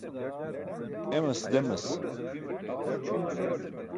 Emas demas.